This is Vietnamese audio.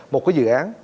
một cái dự án